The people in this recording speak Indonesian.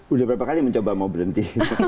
udah berapa kali mencoba mau berhenti